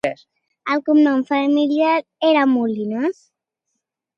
El cognom familiar era Molines?